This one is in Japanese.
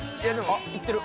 あっいってる。